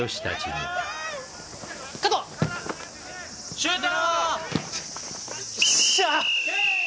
・シュート！